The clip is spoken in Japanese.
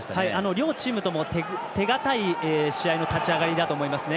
両チームとも、手堅い試合の立ち上がりだと思いますね。